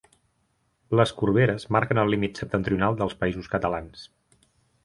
Les Corberes marquen el límit septentrional dels Països Catalans.